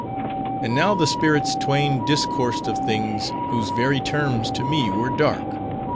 "And now the spirits twain discoursed of things, whose very terms, to me, were dark.